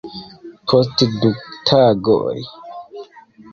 Post du tagoj